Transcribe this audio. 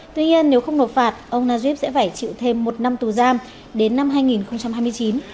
tuy nhiên nếu không nộp phạt ông najib sẽ phải chịu thêm một năm tù giam đến năm hai nghìn hai mươi chín